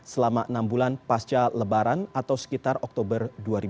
selama enam bulan pasca lebaran atau sekitar oktober dua ribu dua puluh